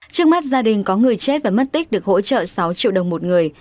trước mắt gia đình có người chết và mất tích được hỗ trợ sáu triệu đồng một người